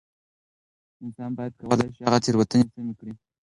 انسان بيا کولای شي هغه تېروتنې سمې کړي.